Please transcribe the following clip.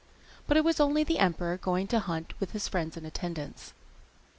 But it was only the emperor going to hunt with his friends and attendants.